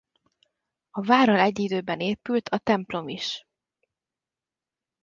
A várral egyidőben épült a templom is.